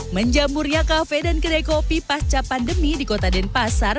menjamurnya kafe dan kedai kopi pasca pandemi di kota denpasar